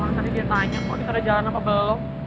emang tadi dia tanya kok di kerajaan apa belum